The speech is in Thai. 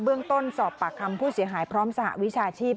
เรื่องต้นสอบปากคำผู้เสียหายพร้อมสหวิชาชีพ